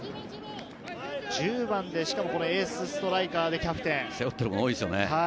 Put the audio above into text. １０番でエースストライカーでキャプテン。